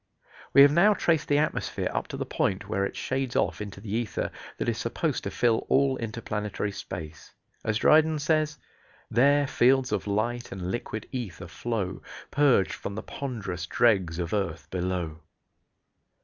We have now traced the atmosphere up to the point where it shades off into the ether that is supposed to fill all interplanetary space. As Dryden says: There fields of light and liquid ether flow, Purg'd from the pond'rous dregs of earth below.